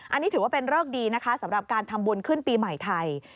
อันนี้ถือว่าเป็นเริกดีนะคะสำหรับการทำบุญขึ้นปีใหม่ไทย